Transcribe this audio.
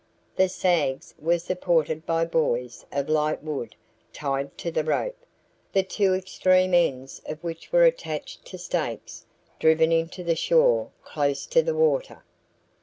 The sags were supported by buoys of light wood tied to the rope, the two extreme ends of which were attached to stakes driven into the shore close to the water.